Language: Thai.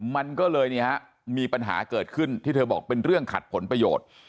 มันก็เลยมีปัญหาเกิดขึ้นที่เธอบอกเป็นเรื่องขัดผลประโยชน์